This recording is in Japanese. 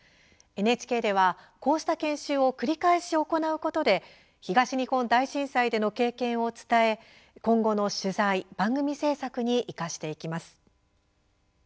ＮＨＫでは、こうした研修を繰り返し行うことで東日本大震災での経験を伝え今後の取材、番組制作に生かしていきます。